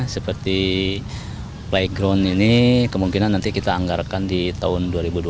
seperti playground ini kemungkinan nanti kita anggarkan di tahun dua ribu dua puluh